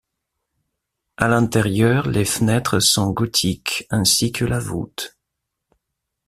À l'intérieur les fenêtres sont gothiques ainsi que la voûte.